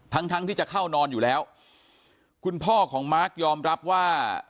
ทั้งทั้งที่จะเข้านอนอยู่แล้วคุณพ่อของมาร์คยอมรับว่า